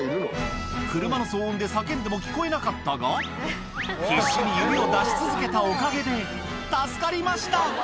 車の騒音で叫んでも聞こえなかったが、必死に指を出し続けたおかげで、助かりました。